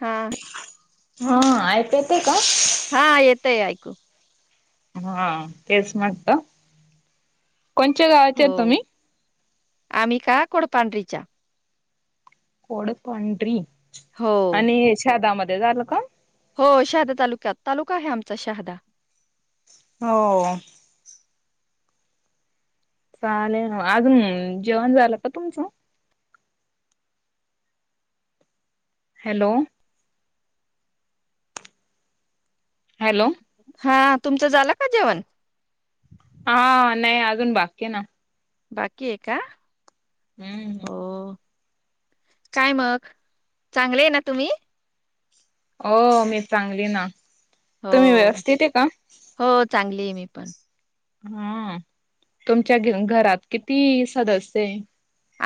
हां, हा, हा, आयत हा, येतय ऐकू! हा, तेच म्हटलं, कोणच्या गावाचे हाय तुम्ही? हो, आम्ही का, कोडपांढरीच्या. कोड पांढरी, हो, आणि शेतामध्ये झालं काम? हो, शहादा तालुक्यात, तालुका आहे आमचा शहादा. हो चालेल, म अजून जेवण झालं का तुमचं? हॅलो! हॅलो! हा, तुमचं झालं का जेवण? हा नाही अजून बाकीयना. बाकी आहे का? हम्म. हो. काय मग चांगलेय ना तुम्ही? हो मी चांगली ना, हो, तुम्ही व्यवस्थित आहे का? हो, चांगली आहे मी पण! हा तुमच्या घरात किती सदस्य आहे?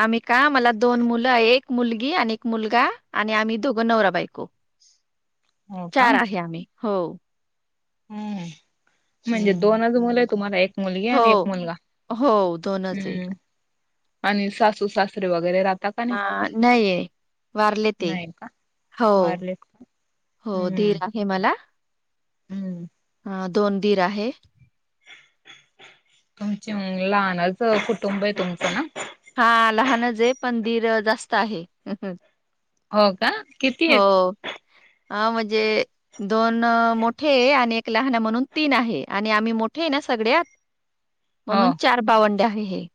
आम्ही का मला दोन मुलं एक मुलगी आणि एक मुलगा आणि आम्ही दोघं नवरा बायको. [inaudible] हो का चार आहे आम्ही हो. हम्म. म्हणजे हं. दोनच मुलं आहे तुम्हाला एक मुलगी हो, आणि एक मुलगा हो, आहे. हम् आणि सासू सासरे वगैरे राह ह नाहीय वारले ते नाही का हो वारलेत का हो दीर हम्म आहे मला हम्म दोन दीर आहे तुमचे लहानच कुटुंब आहे तुमचं ना हा लहानच आहे पंदीर जास्त आहे हो का किती हो आहेत हा म्हणजे दोन मोठे आणि एक लहान म्हणून तीन आहे आणि आम्ही मोठे आहे ना सगळ्यात हो म्हणून चार बावंडे आहे हे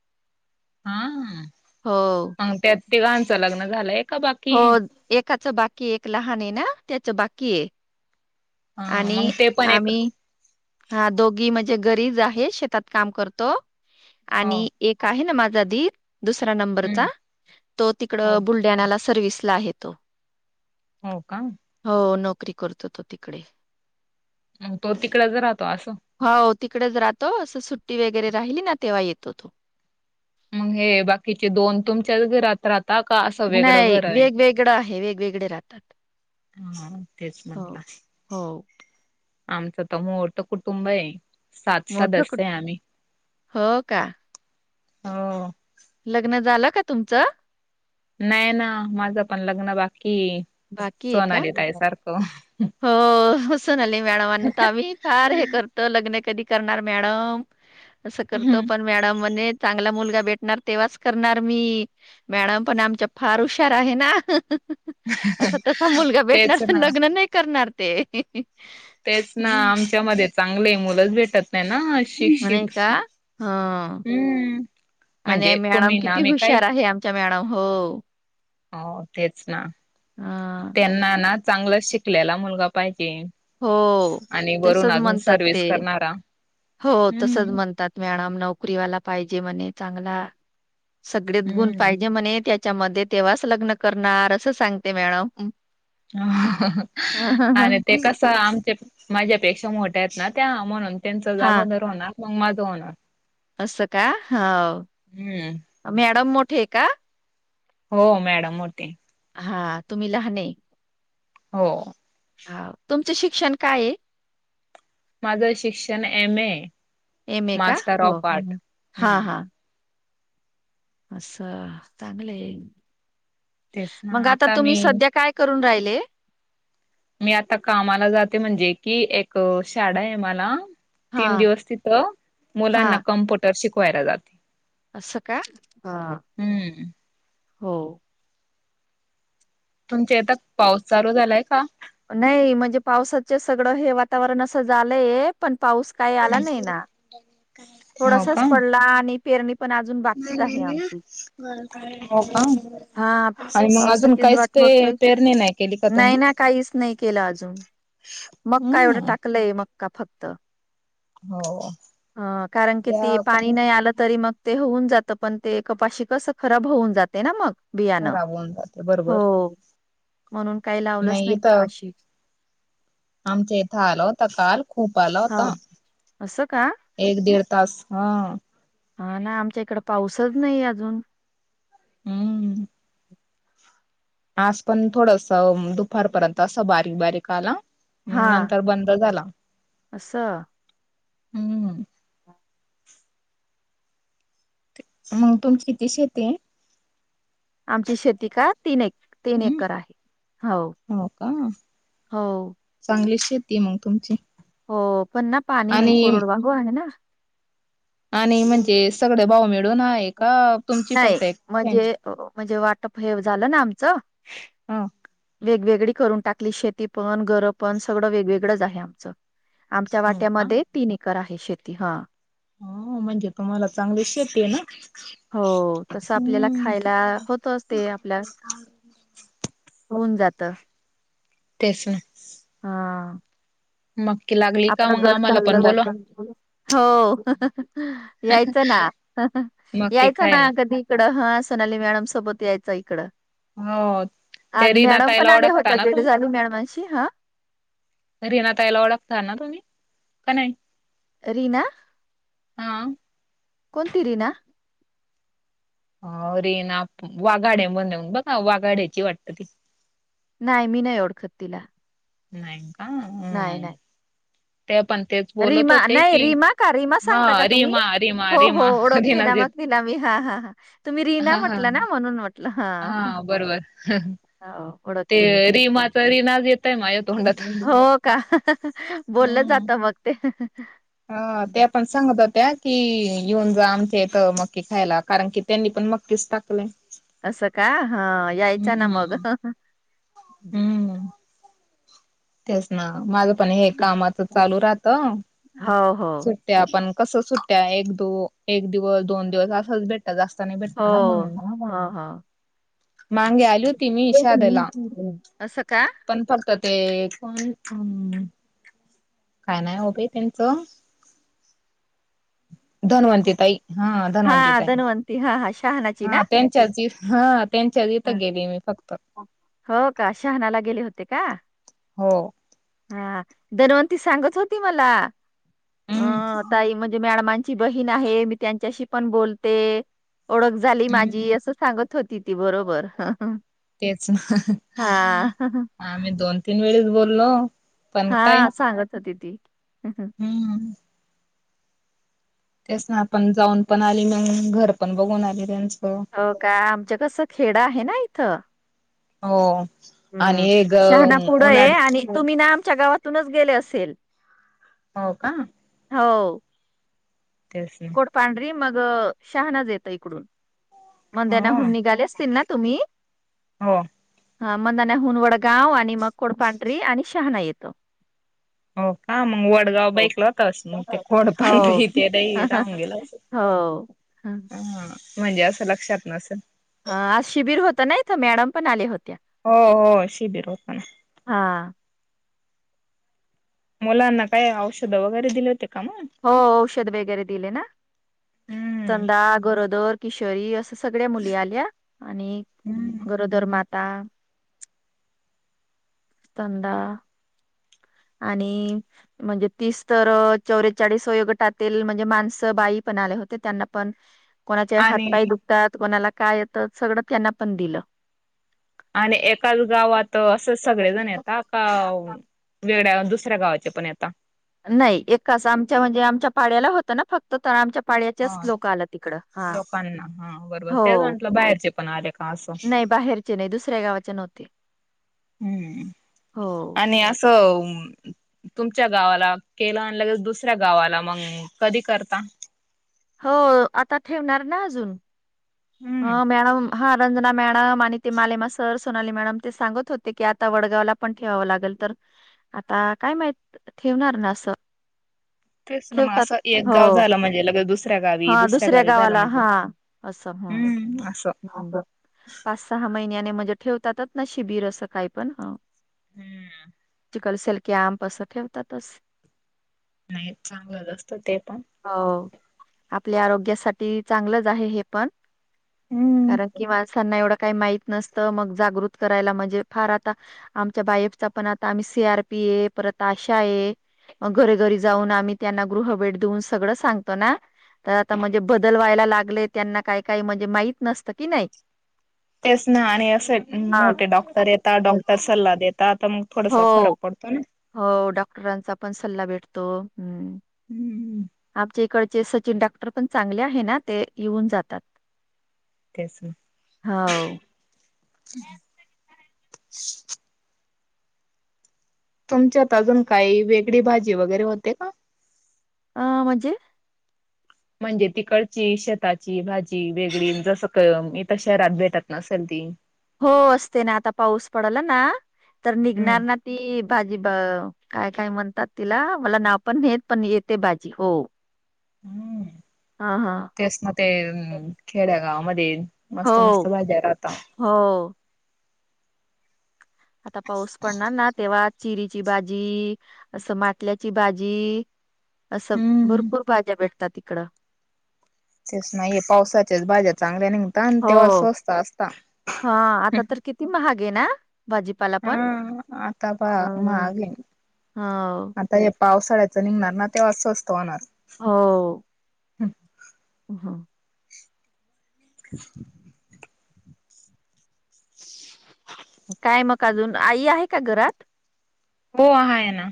हा हो मग त्यात तिघांचं लग्न झालंय का बाकी हो एकाचं बाकी एक लहान आहे ना त्याचं बाकी आहे ह मग आणि ते पण एक आम्ही हा दोघी म्हणजे घरीच आहे शेतात काम करतो हो आणि एक आहे ना माझ दुस हम्म नंबरचा तो तिकड हो बुलढाणा सर्व्हसला आहे तो हो का हो नोकरी करतो तो तिकडे तो तिकडच राहतो असं हो तिकडेच राहतो असं सुट्टी वगैरे राहिली ना तेव्हा येतो तो मग हे बाकीचे दोन तुमच्याच घरात राह नाही वेगवेगळं आहे वेगवेगळे राहतात हा तेच हो, म्हंटलं हो आमचं तर मोठं कुटुंब आहे सात मोठं कुट सदस्य आहे आम्ही हो का? हो लग्न झालं का तुमचं नाही ना माझं पण लग्न बाकी कि बाकी आहे का? सोनालीे ताई आहे सारखं आली मॅडम आम्ही फार हे करतो लग्न कधी करणार मॅडम असं करतो हम्म पण मॅडम चांगला मुल भेटणार तेव्हाच करणार मी मॅडम पण आमच्या फार हुशार आहे ना आता तसा मुलगा तेच भेटणारस ना लग्न नाही करणार ते तेच ना हं, आमच्यामध्ये चांगले मुलंच भेट त नाही ना नाही शिक्षित का? हं. हम्म आणि म्हणजे मॅडम तुम्ही ना किती मी काय हुशार आहे आमचा मॅडम हो हो तेच ना हां. त्यांना ना चांगला शिकलेला मुलगा पाहिजे हो. आणि बरून तसंच अजून म्हणतात सर्विस ते. करणारा हो तसच हम्म म्हणतात मीम न पाजे च स गुे हम्म म्ह त्याच्या म तेव्हाच लग्न करणार असं सांगते मॅडम आणि ते कस आम माझ्यापेक्षा मोठ्या आहेत ना त्या म्हणून त्यांच हां. जागोदर होणार मग माझं होणार असं का हम्म ह मॅडम मोठे आहे का हो मॅडम होते हा तुम्ही लहान हो हा तुमच शिक्षण काय आहे माझं शिक्षण एम ए एम-ए का? मास्टर हो. ऑफ आर्ट ह् असा चांगलं आहे तेच मग ना आता तुम्ही मी सध्या काय करून राहिले मी आता कामाला जाते म्हणजे कि एक शाळा आहे मला तीन हां. दिवस तिथं हा मुलांना कम्प्युटर शिकवायला जाते असं का ह हम्म हो तुमचा आता पाऊस चालू झालाय का नाही म्हणजे पावसाच सगळं हे वातावरण असं झालंय पण पाऊस काही आला नाही ना हो का थोडसाच पडला आणि पेरणी पण अजून बाकीच आहे आमची हो का हा. आणि मग अजून पावसाचीच काहीच वाट ते बघतोय पेरणी नाही केली का नाही तुम्ही ना काहीच नाही केलं अजून मक्का हम्म एवढं टाकलंय मक्का फक्त हो ह कारण कि ते त्या पाणी पण नाही आलं तरी मग ते होऊन जात पण ते कपाशी कस खराब होऊन जाते ना मग बियाणं खराब होऊन जाते बरोबर हो म्हणून काही लावलंच नाही कपाशी आमच्या इथं आल होता काल खूप आला हा होता असं का एक दीड तास हा हा ना आमच्या इकड पाऊसच नाही अजून हम्म आज पण थोडस दुपारपर्यंत असं बारीक बारीक आला हा मग नंतर बंद झाला असं हम्म मग तुमची किती शेती आहे आमची शेती का तीन एक तीन एकर हम्म आहे हो हो का हो येत मग तुमची हो पण ना पाणी नाही आणि कोरड वागू आहे ना आणि म्हणजे सगळे भाऊ मिळून आहे का तुमची नाही फक्त एक त्यांची म्हणजे म्हणजे वाटप हे झालं ना आमचं ह वेगवेगळी करून टाकली शेती पण घरं पण सगळं वेगवेगळंच आहे आमचं आमच्या हो का वाट्यामध्ये तीन एकर आहे शेती हा हो म्हणजे तुम्हाला चांगले शेेत हो तस आपल्याला हम्म खायला होतचते आपल्या होऊन जात तेच ना हा मग लागली का आपलं घर आम्हाला पण चाललं बोलवा जात,, हो यायचं ना. मक्के यायचा ना खायला ऽऽकधी इकडं हा सोनाली मॅडम सोबत, यायच इकडं हो ते आज मॅडम पण रीनाताईला आल्या ओळखता होत्या ना भेट झाली मॅडमशी हां. रीना ताईला ओळखत ना तुम्ही,,, का नाही? रीना, हा कोणती रीना? अ रे ना वाघाड्या बनवन बघा वाघाड्याची वाटत ती. नाही मी नाही ओळखत तिला. नाही का नाही हम्म नाही, ते पण तेच बोलत रीमा,, होते नाही की रीमा का रीमा हा सांगता का तुम्ही,, रीमा रीमा हो हो रीमा ओळखते ना रीनाच येत मगऽऽ म ह हा हा तुम्ही रीना हा हा म्हटला ना म्हणून म्हटऽऽ हा,, बरोबर,, हो ते रीमाचा रीना येतऽऽ होऽ का,, बोललं जात मग ते. आ, ते पण सांगत होऽऽ त्या कि येऊन जा आमच्या येत मक्की खायला,, कारण कि त्यांनी पण मक्कीच टाकलेय असं का हा यायचा ना मग,, हम्म हहह हम्म तेच ना,, माझंऽऽ पण हे कामाच चालू राहतं,, हो हो सुट्ट्या पणऽ कस सुट्या,, एक, दो, एक दिवस, दोन दिवस असंच भेटंऽऽ जास्त नाही हो, भेटत ना म्हणून,,, हो, मांगे आली होती मी इशाद्याला हो. असं का.. ते,,, कोण? काय नाय, उभे त्यांचंऽऽ धनवंती ताई,, हा धन्वंती हां, ताई,, धन्वंती हां, हां, शहानाची ना? हा त्यांच्या च,, हांऽऽ त्यांच्याच इथं तर हां. गेलीय मी फक्तऽ हो का? शहानाला गेले हो. हा धनवंती सांगत होती मला,, अ हम्म ताई म्हणजे मॅडमांचीऽऽ बहीण आहे मी त्यांच्याशी पण बोलते,, ओळख झाली माझी, हम्म अस सांगऽऽ होती ती बरोबर.. हह तेच ना, हह आम्ही दोन तीन वेळीच बोललोऽऽ हा ऽऽसांगत होती ती, हम् हम्. हम्म तेच ना आपण जाऊन पण आली मगं, घर पण बघून आली त्यांच. होऽ का, आमच कसं खेड आहे ना इथंऽऽ होऽऽ हम्म,, शहाणा पुुढं य, आणि तुम्ही ना आमच्या गावातूनच गेले असेल. हो का.. हो.. तेच ना. कोठ पांढरी मग शहानाच येत इकडून हो मंद्यानाहून निघालेस तिनना‌ तुम्ही. हो. हा मंदाना हुनवडगाव, आणि मग कोडपांढरी, आणि शहाणा येतो. हो का मग वडगाव हो बाईकला होतास मग ते खोड पांढ इथे दही राहून गेलं. हो ह हा म्हणजे असं लक्षात नसेलऽऽ हा आज शिबिर होत ना इथं मॅडम पण आले होते.. हो हो, शिबीर होतं. हा मुलांना काय औषध वगैरे दिले होते का मग हो औषध वगैरे दिले,, ना हम्म स्तनदा, गरोदर, किशोरी, असं सगळ्या मुली आल्या आणि हम्म गरोदरर्मातऽऽ संदा आणि म्हणजे तीस तर चौरेचाळी वयोगटातील ट म्हणजे माणसं बाई ण आले होते त्यांना पण कोणाचे आणि हातपाय दुखतात कोणाला काय येतं सगळं त्यांना पण दिलं आणि एकाच गावात असं सगळेजण येतात का वेळा दुसऱ्या दुसऱ्या गावाचे पण येतात नाही एक कसं आमच्या म्हणजे आमच्या पाड्याला होतं ना फक्त तर आमच्या पाळच्याचं लोक आला तिकडं हा लोकांना हा बरोबर हो तेच म्हंटलं बाहेरचे पण आले का असं नाही. बाहेरचे नाही दुसऱ्या गावाचे नव्हते हम्म हो आणि असं तुमच्या गावाला केलं आणलंगेल दुसऱ्या गावाला मग कधी करता? हो आता ठेवणार ना अजून हम्म ह् मॅडम हा रंजना मॅडम आणि ते मालेमा सर सोनाली मॅडम ते सांगत होते की आता वडगावला पण ठेवावं लागेल तर आता काय माहित ठेवणार ना असं? तेच ना मग ठेवतात असं एक हो गाव झालं म्हणजे लगे दुसर हा दुसऱ्या गावाला हा असं हम्म असं ह पाच सहा महिन्याने म्हणजे ठेवतातच ना शिबिर असं काय पण ह हम्म कलसेल कॅम्प असं ठेवतातच. नाही चांगलंच असत ते पण, हो आपल्या आरोग्यासाठी चांगलंच आहे हे पण हम्म कारण कि माझ, त्यांना येवढं का माहित नसतं मग जागृत कराय म्हणजे फार आता आमच्या बाएफ चा पण आता सी आर पी परत आशा एक मग घरी घरी जाऊन आम्ही त्यांना गृह भेट देऊन सगळं सांग हो ना तर आता म्हणजे बदल व्हायला लागलेत त्यांना काही काही म्हणजे माहित नसतं की नाही तेच ना आणि असे हा, मोठे डॉक्टर येतात डॉक्टर सल्ला देतात तर आता मग थोडासा फरक पडतो ना, इतराचा पण सल्ला भेटतो ह्. हम्म आमच्या इकडचे सचिन डॉक्टर पण चांगले आहे ना ते येऊन जातात. तेच ना हो [unintelligible] तुमच्यात अजून काही वेगळी भाजी वगैरे होते का ह् म्हणजे? म्हणजे तिकडची शेताची भाजी वेगळी जसं कि इथं शहरात भेटत नसेल ती, हो असते ना आता पाऊस पडला ना तर हम्म. निघणार ना ती भाजी ब काय काय म्हणतात तिला मला नाव पण नेत पण येते भाजी हो. हम्म हा हा तेच ना ते खेडया गावामध्ये हो मस्त मस्त भाज्या राहता हो आता पाऊस पडणार ना तेव्हा चिरीची भाजी असं माटल्याची भाजी असं हम्म भरपूर भाज्या भेटतात इकडं तेच नाहीये पावसाच्याच भाज्या चांगल्या नि आणि तेव्हा हो स्वस्त असता. घे ना भाजीपाला पण हा आता पहा हम्म. मागे हो आता पावसाळ्याच निघणार ना तेव्हाच स्वस्त होणार हो हम् हा [unintelligible] काय मग अजून आई आहे का घरात हो हायेना.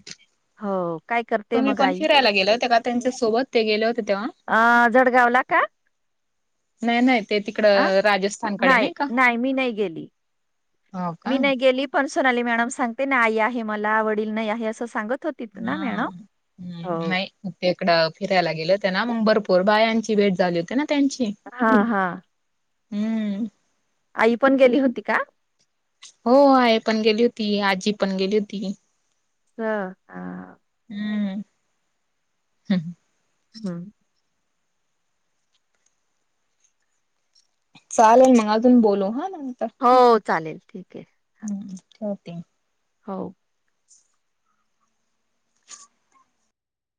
हो, काय करते तुम्ही मग पन आई? फिरायला गेल्या होत्या का त्यांच्या सोबत ते गेले होते तेव्हा? अं जडगावला का? नाय नाय. अं न्हाय न्हाय मी नाइ गेली हो मी का? नाइ गेली पण सोनाली मॅडम सांगते ना आई आहे मला वडील नाही आहे असं सांगत होती ना मॅडम? हां हो. नाई [unintelligible] कडं फिरायला गेलेतेना मग भरप पूर बायांची भेट झाली होतीना. हां हां. हम्म आई पण गेली होती का? हो आहे पण गेली हो ती आजी पण गेली हुती. हं हां. हम्म हं. हम्म्. चालेल मंग अजून बोलू हांना. हो चालेल ठीके. हं ठेवते. हो.